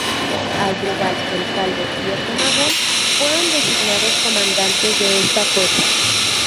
Asdrúbal el Calvo y otro Magón fueron designados comandantes de esta fuerza.